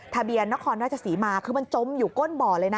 นครราชศรีมาคือมันจมอยู่ก้นบ่อเลยนะ